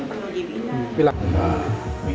mereka bisa berpindah ke rumah